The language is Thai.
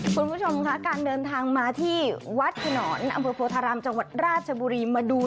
คุณผู้ชมค่ะการเดินทางมาที่วัดขนอนอำเภอโพธารามจังหวัดราชบุรีมาดู